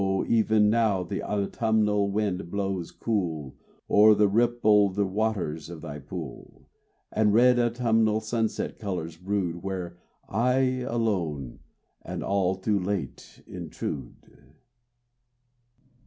even now the autumnal wind blows cool Over the rippled waters of thy pool, And red autumnal sunset colors brood Where I alone and all too late intrude.